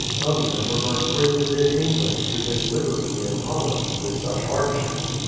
Some even preferred prisons in England to this Hberty in Holland, Mfith such hardships.